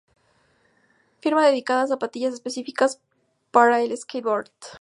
Firma dedicada a zapatillas específicas para el skateboard.